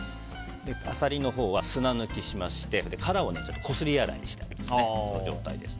アサリのほうは砂抜きしまして殻をこすり洗いした状態です。